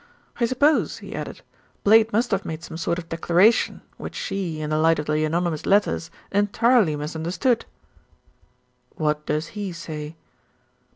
I suppose," he added, "Blade must have made some sort of declaration, which she, in the light of the anonymous letters, entirely misunderstood." "What does he say?"